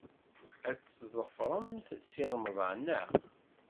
Ad tḍefremt Si Remḍan, naɣ?